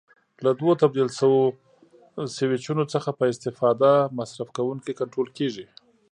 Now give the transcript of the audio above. له دوو تبدیل سویچونو څخه په استفاده مصرف کوونکی کنټرول کېږي.